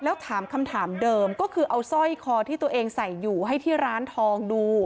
แล้วถามคำถามเดิมก็คือเอาสร้อยคอที่ตัวเองใส่อยู่ให้ที่ร้านทองดู